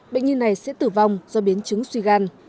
bệnh nhi này sẽ tử vong do biến chứng suy gan